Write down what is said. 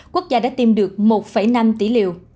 quốc gia đã tiêm được một năm tỷ liều